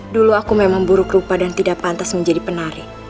dulu aku memang buruk rupa dan tidak pantas menjadi penarik